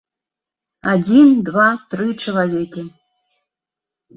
Адзін, два, тры чалавекі.